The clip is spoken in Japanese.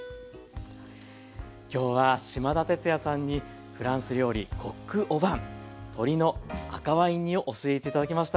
今日は島田哲也さんにフランス料理コック・オ・ヴァン鶏の赤ワイン煮を教えて頂きました。